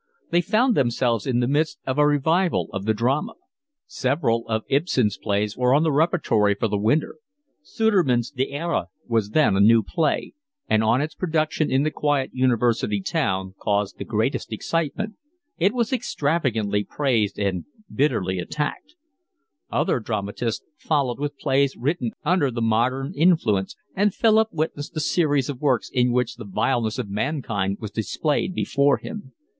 They found themselves in the midst of a revival of the drama. Several of Ibsen's plays were on the repertory for the winter; Sudermann's Die Ehre was then a new play, and on its production in the quiet university town caused the greatest excitement; it was extravagantly praised and bitterly attacked; other dramatists followed with plays written under the modern influence, and Philip witnessed a series of works in which the vileness of mankind was displayed before him.